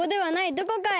どこかへ。